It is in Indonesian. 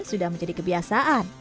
sudah menjadi kebiasaan